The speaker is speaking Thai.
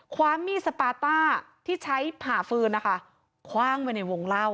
ความมีดสปาต้าที่ใช้ผ่าฟืนนะคะคว่างไว้ในวงเล่า